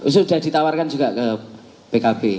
sudah ditawarkan juga ke pkb